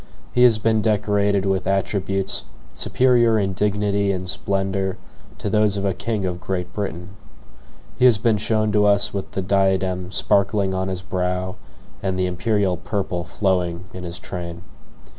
He has been decorated with attributes superior in dignity and splendor to those of a king of Great Britain. He has been shown to us with the diadem sparkling on his brow and the imperial purple flowing in his train.